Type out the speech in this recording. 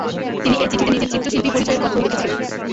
তিনি এ চিঠিতে নিজের চিত্রশিল্পী পরিচয়ের কথাও লিখেছিলেন।